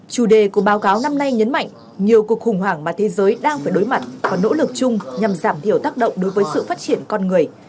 chủ đề của báo cáo năm nay nhấn mạnh nhiều cuộc khủng hoảng mà thế giới đang phải đối mặt và nỗ lực chung nhằm giảm thiểu tác động đối với sự phát triển con người